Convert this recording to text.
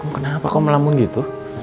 kamu kenapa kamu melamun gitu